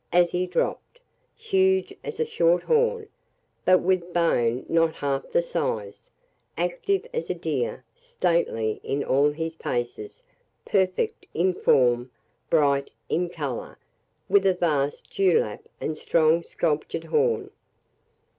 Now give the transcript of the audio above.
as he dropped; huge as a short horn, but with bone not half the size; active as a deer, stately in all his paces, perfect in form, bright in colour, with a vast dewlap, and strong sculptured horn.